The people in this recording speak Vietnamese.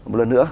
một lần nữa